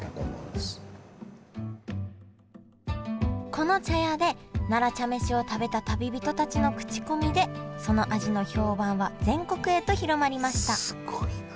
この茶屋で奈良茶飯を食べた旅人たちの口コミでその味の評判は全国へと広まりましたすごいな。